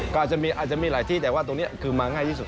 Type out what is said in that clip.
ก็อาจจะมีหลายที่แต่ว่าตรงนี้คือมาง่ายที่สุด